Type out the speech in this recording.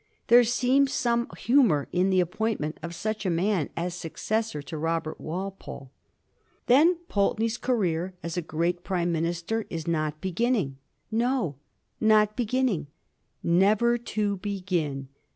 There seems some humor in* the appointment of such a man as successor to Robert Walpole. Then Pulteney's career as a great Prime minister is not beginning ? No — not beginning — ^never to begin.